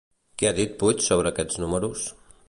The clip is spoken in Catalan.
Què ha dit Puig sobre aquests números?